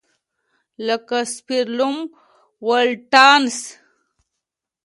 لکه سپیریلوم ولټانس.